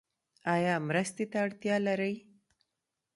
ایا مرستې ته اړتیا لرئ؟